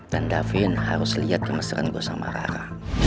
dan davin harus liat kemesraan gue sama rara